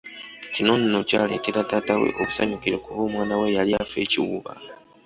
Kino nno ky’aleeteera taata we obusanyukiro kuba omwana we yali afa ekiwuubaalo.